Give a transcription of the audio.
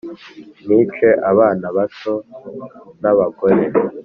Mwice abana bato n abagore